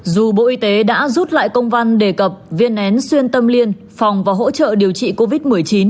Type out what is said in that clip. dù bộ y tế đã rút lại công văn đề cập viên én xuyên tâm liên phòng và hỗ trợ điều trị covid một mươi chín